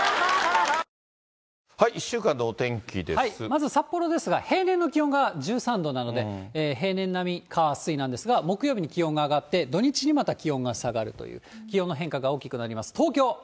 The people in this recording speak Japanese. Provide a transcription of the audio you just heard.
まず札幌ですが、平年の気温が１３度なので、平年並み、火、水なんですが、木曜日に気温が上がって、土日にまた気温が下がるという、気温の変化が大きくなります。